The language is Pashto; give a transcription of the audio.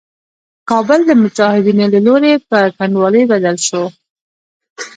کابل د مجاهدينو له لوري په کنډوالي بدل شو.